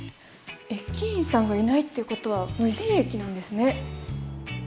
駅員さんがいないっていうことは無人駅なんですね。